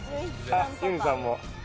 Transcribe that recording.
あっゆにさんも。